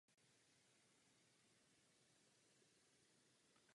Zápasy z turnaje tak česká strana nepovažuje za oficiální.